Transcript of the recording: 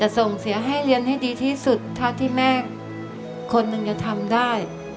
ส่งเสียให้เรียนให้ดีที่สุดเท่าที่แม่คนหนึ่งจะทำได้